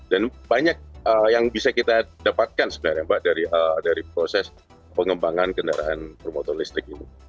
dan banyak yang bisa kita dapatkan sebenarnya mbak dari proses pengembangan kendaraan bermotor listrik ini